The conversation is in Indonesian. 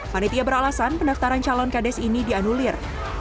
panitia beralasan pendaftaran calon kades ini dianulir